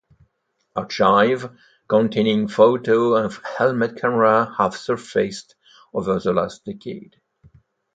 Archives containing photos of helmet cameras have surfaced over the last decade.